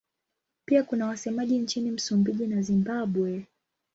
Pia kuna wasemaji nchini Msumbiji na Zimbabwe.